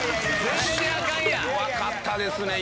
弱かったですね